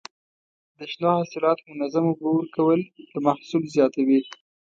د شنو حاصلاتو منظم اوبه ورکول د محصول زیاتوي.